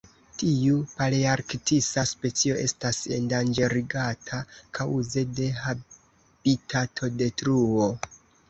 Tiu palearktisa specio estas endanĝerigata kaŭze de habitatodetruo.